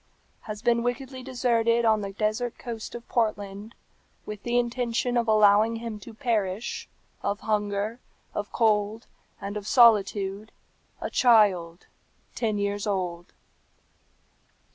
"Has been wickedly deserted on the desert coast of Portland, with the intention of allowing him to perish of hunger, of cold, and of solitude, a child ten years old.